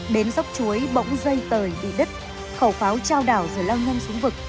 đến dốc chuối bỗng dây tời bị đứt khẩu pháo trao đảo rồi lao ngăn xuống vực